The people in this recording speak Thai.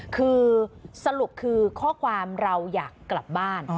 คือสรุปคือข้อความเราอยากกลับบ้าน